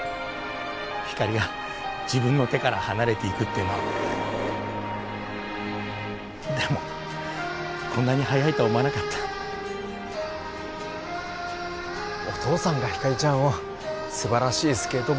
ひかりが自分の手から離れていくっていうのはでもこんなに早いとは思わなかったお父さんがひかりちゃんを素晴らしいスケート